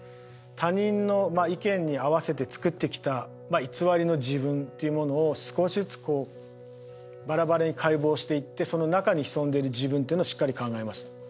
他人の意見に合わせて作ってきた偽りの自分っていうものを少しずつこうバラバラに解剖していってその中に潜んでいる自分っていうのをしっかり考えました。